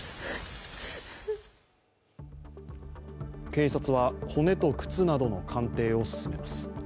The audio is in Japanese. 警察は骨と靴などの鑑定を進めます。